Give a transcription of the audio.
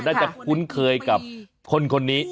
น่าจะคุ้นเคยกับคนนี้